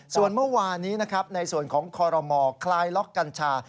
ส่วนเมื่อวานนี้นะครับในส่วนของคอรมอคลายล็อกกัญชา